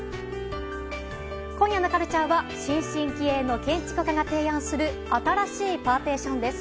今夜のカルチャーは新進気鋭の建築家が提案する新しいパーティションです。